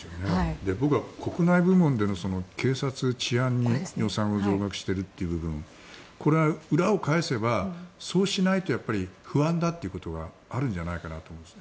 僕は国内部門での警察治安に予算を増額しているという部分これは裏を返せばそうしないと不安だということがあるんじゃないかなと思うんです